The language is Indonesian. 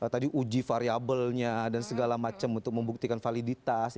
tadi uji variabelnya dan segala macam untuk membuktikan validitas